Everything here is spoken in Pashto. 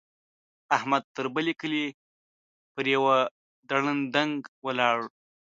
احمد؛ تر بر کلي په يوه دړدنګ ولاړ.